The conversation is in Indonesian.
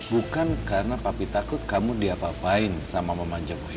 bukan karena papi takut kamu diapapain sama mamanya boy